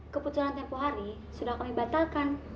keputusan tempoh hari sudah kami batalkan